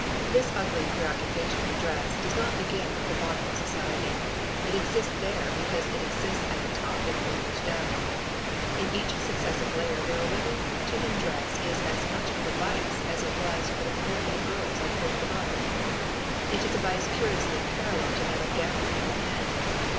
This ugly preoccupation with dress does not begin with the bottom of society. It exists there because it exists at the top and filters down. In each successive layer there are women to whom dress is as much of a vice as it was for the poor little girls I quote above. It is a vice curiously parallel to that of gambling among men.